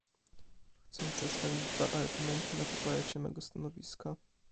Chcę przedstawić dwa argumenty na poparcie mego stanowiska